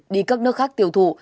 đi các nước khác tiêu thụ